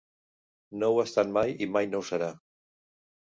No ho ha estat mai i mai no ho serà.